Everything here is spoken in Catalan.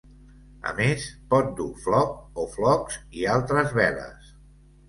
A més pot dur floc o flocs i altres veles.